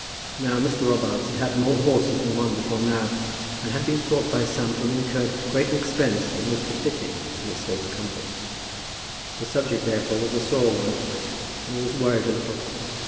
Now Mr. Robarts had had more horses than one before now, and had been thought by some to have incurred greater expense than was befitting in his stable comforts. The subject, therefore, was a sore one, and he was worried a little.